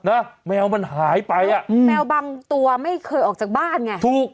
แมวมันหายไปอ่ะอืมแมวบางตัวไม่เคยออกจากบ้านไงถูก